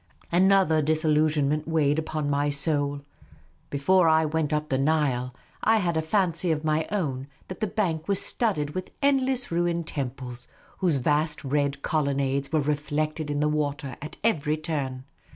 Another disillusion weighed upon my soul. Before I went up the Nile, I had a fancy of my own that the bank was studded with endle.ss ruined temples, whose vast red colon nades were reflected in the water at every turn.